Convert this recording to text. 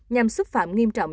nhằm xúc phạm nghiêm trọng